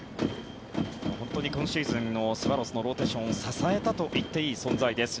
本当に今シーズンのスワローズのローテーションを支えたといっていい存在です。